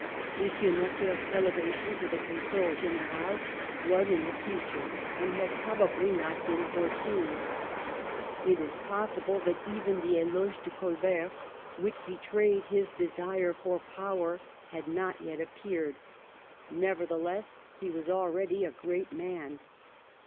M. Neck er's elevation to the Contrdle G6n£ral was in the future and had probably not been foreseen ; it is possible that even the Eloge de Colbert, which be trayed his desire for power, had not yet appeared ; nevertheless, he was already a great man.